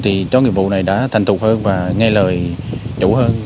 thì chó nghiệp vụ này đã thành tục hơn và nghe lời chủ hơn